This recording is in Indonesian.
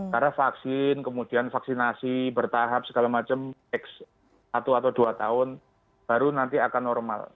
karena vaksin kemudian vaksinasi bertahap segala macam x satu atau dua tahun baru nanti akan normal